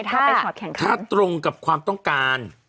ถ้าตรงกับความต้องการ